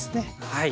はい。